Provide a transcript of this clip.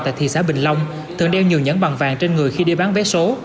tại thị xã bình long thường đeo nhiều nhẫn bằng vàng trên người khi đi bán vé số